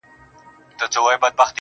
اوس هره شپه سپينه سپوږمۍ_